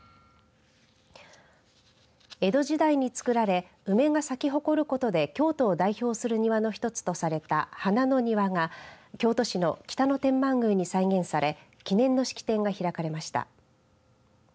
江戸時代に作られ梅が咲き誇ることで京都を代表する庭の一つとされた花の庭が、京都市の北野天満宮に再現され記念の式典が開かれました。